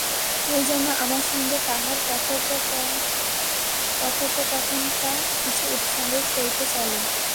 এইজন্য আমার সঙ্গে তাহার কথোপকথনটা কিছু উৎসাহের সহিত চলে।